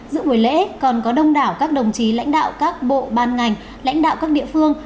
dự buổi lễ còn có đông đảo các đồng chí lãnh đạo các bộ ban ngành lãnh đạo các địa phương